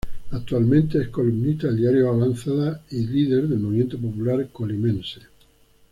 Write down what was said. Actualmente es columnista del Diario Avanzada y líder del Movimiento Popular Colimense.